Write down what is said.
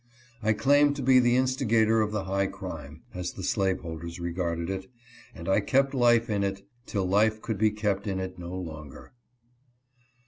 I claim to be the instigator of the high crime (as the slaveholders regarded it), and I kept life in it till life could be kept in it no longer.